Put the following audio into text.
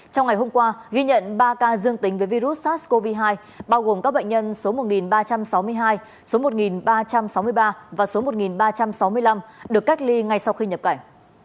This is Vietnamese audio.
trong ngày hôm qua ghi nhận ba ca dương tính với virus sars cov hai bao gồm các bệnh nhân số một ba trăm sáu mươi hai số một ba trăm sáu mươi ba và số một ba trăm sáu mươi năm được cách ly ngay sau khi nhập cảnh